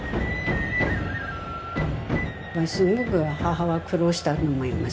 すごく母は苦労したと思います。